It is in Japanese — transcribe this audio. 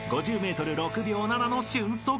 ［５０ｍ６秒７の俊足］